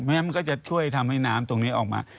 มันก็จะช่วยทำให้น้ำตรงนี้ออกมา